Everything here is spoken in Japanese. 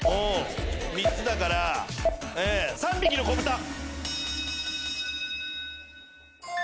３つだから３匹の子豚！